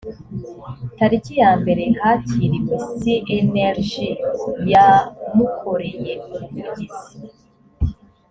tariki ya mbere hakiriwe cnlg yamukoreye ubuvugizi